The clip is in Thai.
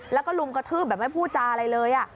แล้วก็ลุมกระทืบแบบไม่พูดจาอะไรเลย